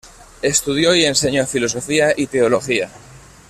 Estudió y enseño filosofía y teología.